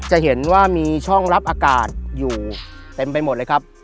จะเห็นว่ามีช่องรับอากาศอยู่เต็มไปหมดเลยครับ